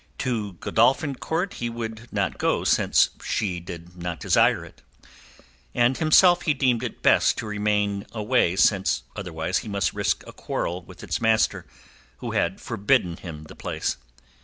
To Godolphin Court he would not go since she did not desire it; and himself he deemed it best to remain away since otherwise he must risk a quarrel with its master, who had forbidden him the place.